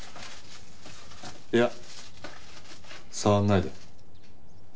いや触んないで。